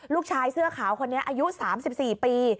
ลูกชายเสื้อขาวคนนี้อายุสามสิบสี่ปี